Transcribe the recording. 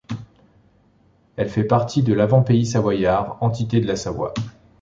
Elle fait partie de l'Avant-Pays savoyard, entité de la Savoie.